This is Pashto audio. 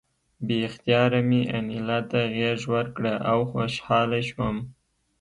بې اختیاره مې انیلا ته غېږ ورکړه او خوشحاله شوم